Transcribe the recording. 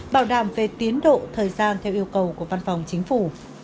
bảo đảm về tiến độ thời gian theo yêu cầu của văn phòng chính phủ